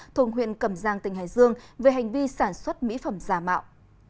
thuộc huyện cẩm giang tỉnh hải dương về hành vi sản xuất mỹ phẩm giả mạo